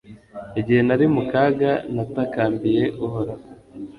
igihe nari mu kaga natakambiye uhoraho